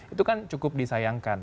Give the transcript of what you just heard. itu kan cukup disayangkan